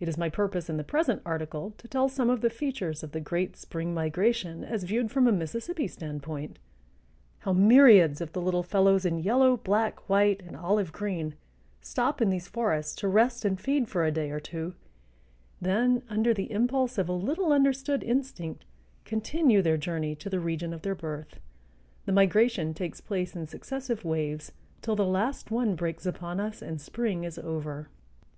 It is my purpose in the present article to tell some of the features of the great spring migration as viewed from a Mississippi standpoint; how myriads of the little fellows in yellow, black, white, and olive green stop in these forests to rest and feed for a day or two, then under the impulse of a little understood instinct continue their journey to the region of their birth. The migration takes place in successive waves, till the last one breaks upon us and spring is over.